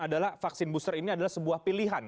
adalah vaksin booster ini adalah sebuah pilihan